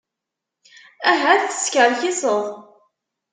Ahat teskerkiseḍ.